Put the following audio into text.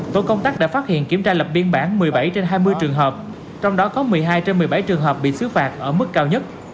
tổ công tác đã phát hiện kiểm tra lập biên bản một mươi bảy trên hai mươi trường hợp trong đó có một mươi hai trên một mươi bảy trường hợp bị xứ phạt ở mức cao nhất